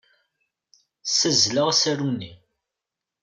Ssazzleɣ asaru-nni.